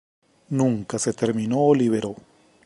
Nunca se terminó o liberó.